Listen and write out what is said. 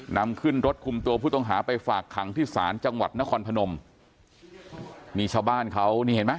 นำขึ้นรถคุมตัวผู้ต้องหาไปฝากขังที่ศาลจังหวัดนครพนมมีชาวบ้านเขานี่เห็นไหม